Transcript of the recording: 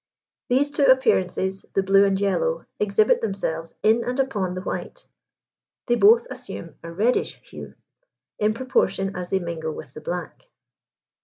These two appearances, the blue and yellow, exhibit themselves in and upon the white: they both assume a reddish hue, in proportion as they mingle with the black.